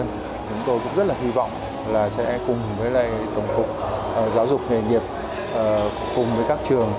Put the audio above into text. chúng tôi cũng rất là hy vọng là sẽ cùng với lại tổng cục giáo dục nghề nghiệp cùng với các trường